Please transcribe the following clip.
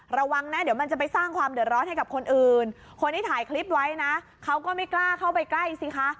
ระวังนะเดี๋ยวมันจะไปสร้างความเดือดร้อนให้กับคนอื่นคนที่ถ่ายคลิปไว้นะเขาก็ไม่กล้าเข้าไปใกล้สิคะ